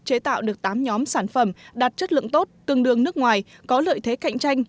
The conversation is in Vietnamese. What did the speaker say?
chế tạo được tám nhóm sản phẩm đạt chất lượng tốt tương đương nước ngoài có lợi thế cạnh tranh